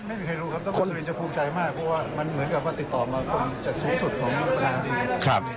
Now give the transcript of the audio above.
ไม่ได้ใครรู้ครับต้องคุณจะภูมิใจมากเพราะว่ามันเหมือนกับว่าติดต่อมาคงจากสูงสุดของประหลาดดินเงิน